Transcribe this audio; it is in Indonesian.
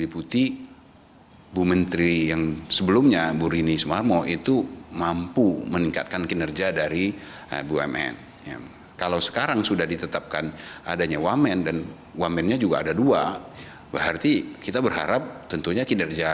peter bumman kementerian bumn berkata